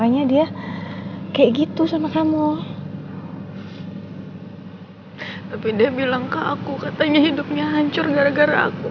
aku salah apa pak